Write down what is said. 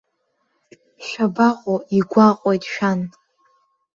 Шәабаҟоу, игәаҟуеит шәан!